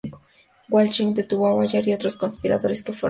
Walsingham detuvo a Ballard y a otros conspiradores que fueron arrestados.